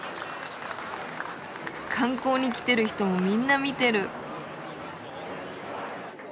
観光に来てる人もみんな見てる。